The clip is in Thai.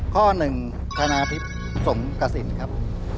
ข้อหนึ่งธนาทิพย์สมกสินครับ